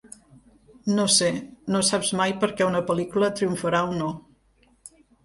No sé, no saps mai per què una pel·lícula triomfarà o no.